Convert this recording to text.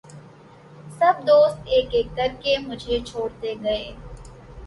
سب دوست ایک ایک کرکے مُجھے چھوڑتے گئے